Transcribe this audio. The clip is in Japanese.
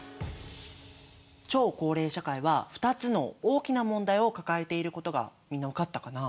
超高齢社会は２つの大きな問題を抱えていることがみんな分かったかな？